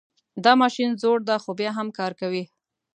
دا ماشین زوړ ده خو بیا هم کار کوي